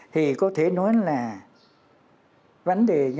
thì có thể nói là